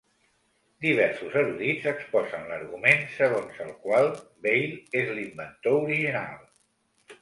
Diversos erudits exposen l'argument segons el qual Vail és l'inventor original.